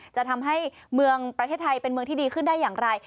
จะทำให้เมืองประเทศไทยเป็นเมืองที่ดีขึ้นได้อย่างไร